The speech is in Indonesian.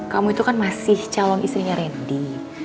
kamu itu kan masih calon istrinya randy